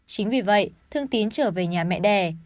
chính vì vậy thương tín trở về nhà mẹ đẻ